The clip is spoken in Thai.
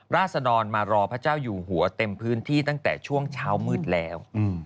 ราศดรมารอพระเจ้าอยู่หัวเต็มพื้นที่ตั้งแต่ช่วงเช้ามืดแล้ว